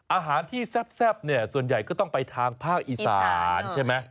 อาหารที่แซ่บเนี่ยส่วนใหญ่ก็ต้องไปทางภาคอีสานใช่ไหม